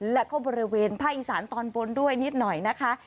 แล้วก็บริเวณภาคอีสานตอนบนด้วยนิดหน่อยนะคะ